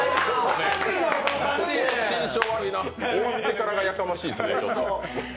心証悪いな、終わってからがやかましいですね。